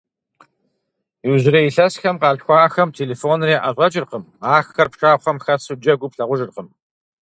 Иужьрей илъэсхэм къалъхуахэм телефоныр яӀэщӀэкӀыркъым, ахэр пшахъуэм хэсу джэгуу плъагъужыркъым.